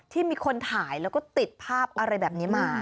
ที่มีคนถ่ายแล้วก็ติดภาพอะไรแบบนี้มา